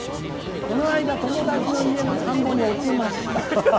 この間、友達の家の田んぼに落ちました。